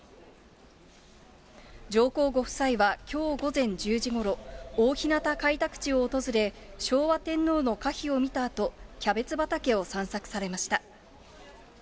上皇ご夫妻はきょう午前１０時ごろ、大日向開拓地を訪れ、昭和天皇の歌碑を見たあと、キャベツ畑を散策されました。